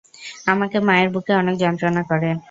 আমার মায়ের বুকে অনেক যন্ত্রণা করে।